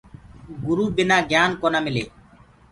گُرو بنآ گيِان ڪونآ مِلي۔